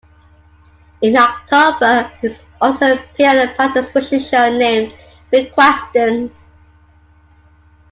In October he also appeared on a panel discussion show named "Big Questions".